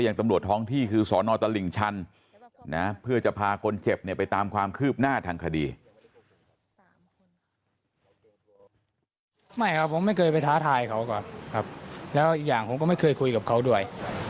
อย่างคงไม่เคยคุยกับเขาด้วย